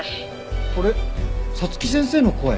これ早月先生の声？